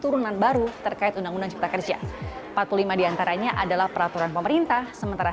turunan baru terkait undang undang cipta kerja empat puluh lima diantaranya adalah peraturan pemerintah sementara